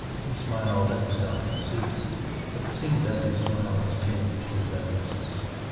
He smiled at this odd conceit, but it seemed that his smile was tinged with reminiscence.